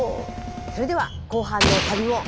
それでは後半の旅も。